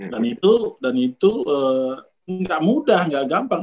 dan itu dan itu nggak mudah nggak gampang